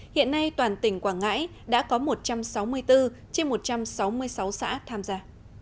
hiện nay toàn tỉnh quảng ngãi đã có một trăm sáu mươi bốn trên một trăm sáu mươi sáu xã tham gia